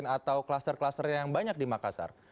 atau kluster kluster yang banyak di makassar